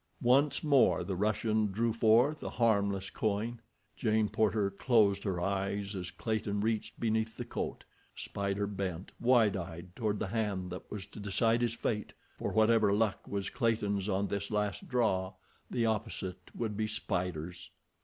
Once more the Russian drew forth a harmless coin. Jane Porter closed her eyes as Clayton reached beneath the coat. Spider bent, wide eyed, toward the hand that was to decide his fate, for whatever luck was Clayton's on this last draw, the opposite would be Spider's.